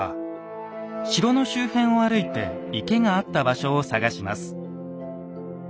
城の周辺を歩いて池があった場所を探します。